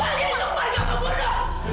kalian itu keluarga pembunuh